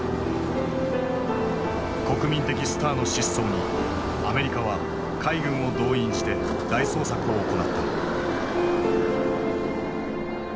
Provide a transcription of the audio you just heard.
国民的スターの失踪にアメリカは海軍を動員して大捜索を行った。